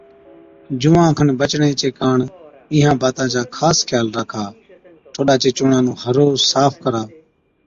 جُوئان کن بَچڻي چي ڪاڻ اِينهان باتان چا خاص خيال راکا، ٺوڏا چي جُونڻان هر روز صاف ڌووا۔